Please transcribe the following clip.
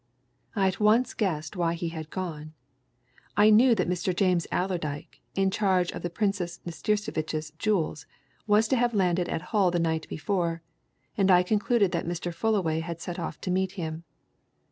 I at once guessed why he had gone I knew that Mr. James Allerdyke, in charge of the Princess Nastirsevitch's jewels, was to have landed at Hull the night before, and I concluded that Mr. Fullaway had set off to meet him.